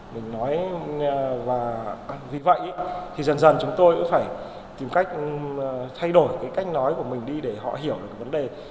mình nói và vì vậy thì dần dần chúng tôi cũng phải tìm cách thay đổi cái cách nói của mình đi để họ hiểu được vấn đề